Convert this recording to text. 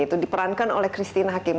itu di perankan oleh christine hakim